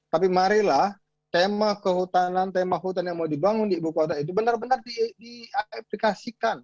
tapi marilah tema kehutanan tema hutan yang mau dibangun di ibu kota itu benar benar diaplikasikan